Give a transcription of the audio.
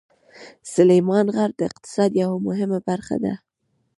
سلیمان غر د اقتصاد یوه مهمه برخه ده.